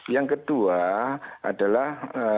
yang kedua adalah